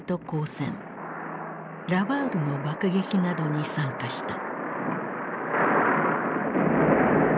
ラバウルの爆撃などに参加した。